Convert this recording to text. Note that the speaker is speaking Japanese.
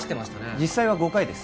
実際は５回です